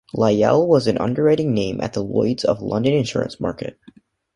Lyell was an underwriting 'Name' at the Lloyd's of London insurance market.